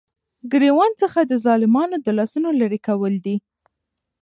ګريوان څخه دظالمانو دلاسونو ليري كول دي ،